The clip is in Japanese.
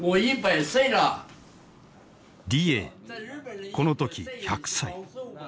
李鋭この時１００歳。